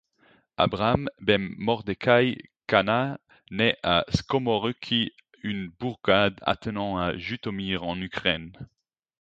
Abraham ben Mordekhaï Kahana naît à Skomorokhy, une bourgade attenant à Jytomyr, en Ukraine.